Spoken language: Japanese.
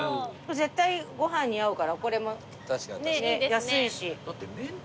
絶対ご飯に合うからこれも安いし。